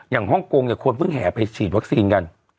ฮ่องกงเนี่ยคนเพิ่งแห่ไปฉีดวัคซีนกัน